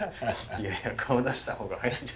いやいや顔出した方が早いんじゃ？